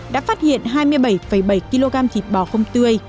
đã phát hiện hai mươi bảy bảy kg thịt bò không tươi